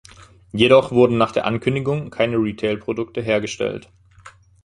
Jedoch wurden nach der Ankündigung keine Retailprodukte hergestellt.